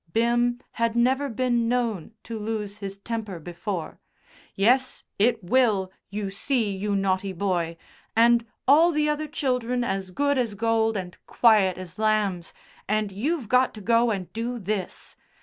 (Bim had never been known to lose his temper before.) "Yes, it will. You see, you naughty boy. And all the other children as good as gold and quiet as lambs, and you've got to go and do this.